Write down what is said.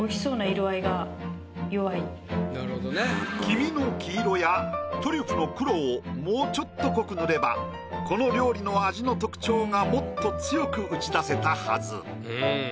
黄身の黄色やトリュフの黒をもうちょっと濃く塗ればこの料理の味の特徴がもっと強く打ち出せたはず。